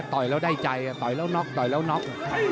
ต่อยแล้วได้ใจต่อยแล้วน็อกต่อยแล้วน็อก